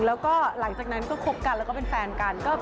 แล้วก็หลังจากนั้นก็คบกันแล้วก็เป็นแฟนกัน